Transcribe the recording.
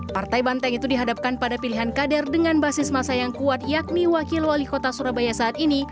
partai banteng itu dihadapkan pada pilihan kader dengan basis masa yang kuat yakni wakil wali kota surabaya saat ini